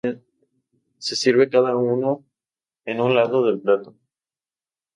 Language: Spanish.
Se sirve cada uno en un lado del plato.